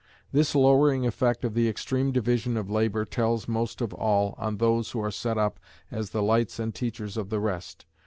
This lowering effect of the extreme division of labour tells most of all on those who are set up as the lights and teachers of the rest.